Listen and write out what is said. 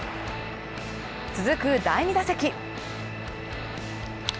続く第２打席。